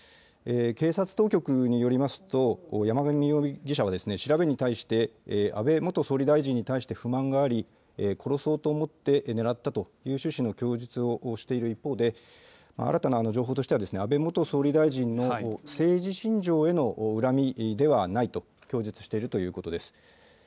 警察当局によりますと山上容疑者は調べに対して安倍元総理大臣に対して不満があり、殺そうと思って狙ったという趣旨の供述をしている一方で新たな情報としては安倍元総理大臣の政治信条への恨みではないと供述しているということです。